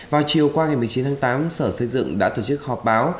vào chiều qua ngày một mươi chín tháng tám sở xây dựng đã tổ chức họp báo